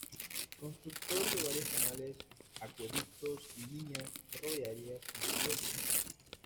Constructor de varios canales, acueductos y líneas ferroviarias en Suecia.